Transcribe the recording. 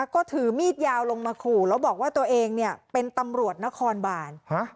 ก็ถือมีดยาวลงมาขู่แล้วบอกว่าตัวเองเป็นตำรวจนครบาน